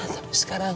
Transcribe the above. tapi sekarang aku